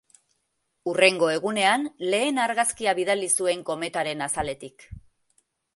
Hurrengo egunean, lehen argazkia bidali zuen kometaren azaletik.